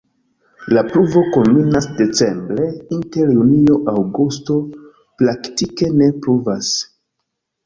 La pluvo kulminas decembre, inter junio-aŭgusto praktike ne pluvas.